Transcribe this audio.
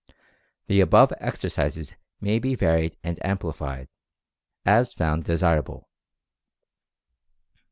The above exercises may be varied and amplified, as found desirable.